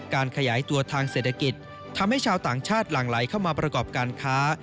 การขยายตัวทางเศรษฐกิจทำให้ชาวต่างชาติหลั่งไหลเข้ามาประกอบการค้า